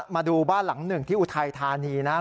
มาดูบ้านหลังหนึ่งที่อุทัยธานีนะครับ